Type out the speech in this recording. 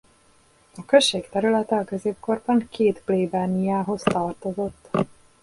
A község területe a középkorban két plébániához tartozott.